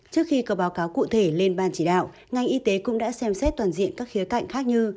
trước khi có báo cáo cụ thể lên ban chỉ đạo ngành y tế cũng đã xem xét toàn diện các khía cạnh khác như